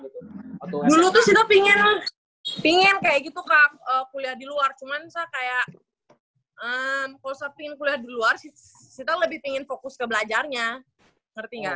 dulu tuh sita pingin kayak gitu ke kuliah di luar cuman sita kayak kalau sita pingin kuliah di luar sita lebih pingin fokus ke belajarnya ngerti nggak